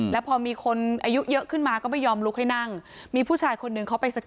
แล้วพอมีคนอายุเยอะขึ้นมาก็ไม่ยอมลุกให้นั่ง